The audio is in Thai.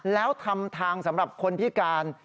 แล้วทำทางสำหรับคนพิการ